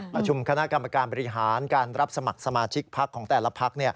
ประชุมคณะกรรมการบริหารการรับสมัครสมาชิกพักของแต่ละพัก